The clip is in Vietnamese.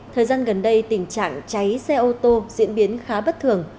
thời gian gần đây tình trạng cháy xe ô tô diễn biến khá bất thường